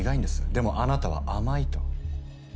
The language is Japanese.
でもあなたは甘いと。